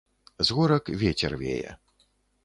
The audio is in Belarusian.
З горак вецер вее.